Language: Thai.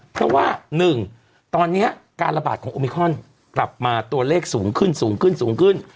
เพราะว่า๑ตอนนี้การระบาดของอมิคอนกลับมาตัวเลขสูงขึ้น